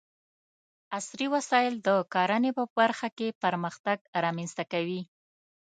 عصري وسايل د کرنې په برخه کې پرمختګ رامنځته کوي.